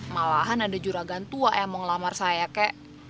malahan ada juragan tua yang mau ngelamar saya kek